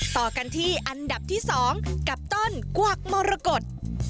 ต่อกันที่อันดับที่๒กับต้นกวักมรกฏ